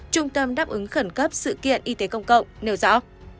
trung tâm đáp ứng khẩn cấp sự kiện y tế công cộng nêu rõ